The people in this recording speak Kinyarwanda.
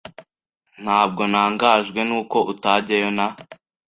Ntabwo ntangajwe nuko utajyayo na .